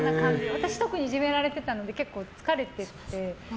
私、特にいじめられてたので結構疲れてて。